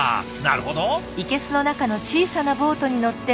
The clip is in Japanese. なるほど。